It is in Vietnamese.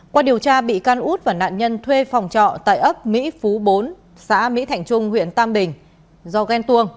qua điều tra bị can út và nạn nhân thuê phòng trọ tại ấp mỹ phú bốn xã mỹ thạnh trung huyện tam bình do ghen tuông